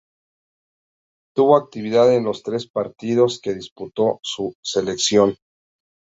Tuvo actividad en los tres partidos que disputó su selección.